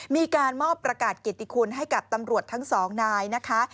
มีการมอบประกาศเกียรติคุณให้กับตำรวจทั้งสองนายนะคะ